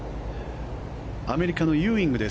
アメリカのユーイング。